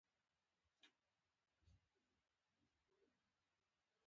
هیچا د هغه کتاب ونه لوست.